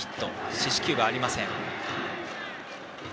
四死球がありません。